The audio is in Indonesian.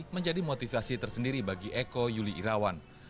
menjadi motivasi tersendiri bagi eko yuli irawan